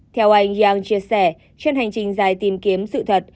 theo anh yang chia sẻ trên hành trình dài tìm kiếm sự thật